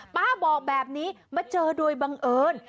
ป้าบอกแบบนี้มาเจอโดยบังเอิญ